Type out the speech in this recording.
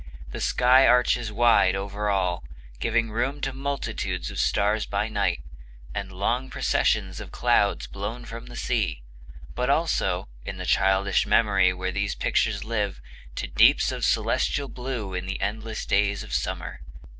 The sky arches wide over all, giving room to multitudes of stars by night, and long processions of clouds blown from the sea; but also, in the childish memory where these pictures live, to deeps of celestial blue in the endless days of summer.